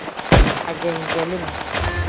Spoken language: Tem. Ajenjelim.